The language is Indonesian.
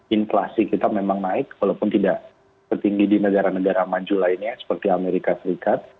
inflasi kita memang naik walaupun tidak setinggi di negara negara maju lainnya seperti amerika serikat